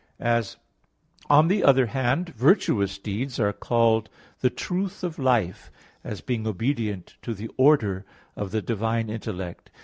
(Ps. 4:3): as on the other hand virtuous deeds are called the "truth of life" as being obedient to the order of the divine intellect.